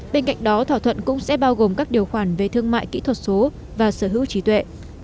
bên cạnh đó thỏa thuận cũng sẽ bao gồm các điều khoản về thương mại kỹ thuật số và sở hữu trí tuệ